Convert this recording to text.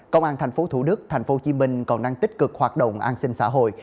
công an tp thủ đức tp hcm còn đang tích cực hoạt động an sinh xã hội